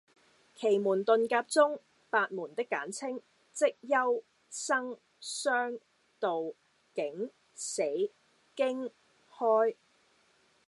奇門遁甲中，八門的簡稱，即休、生、傷、杜、景、死、驚、開。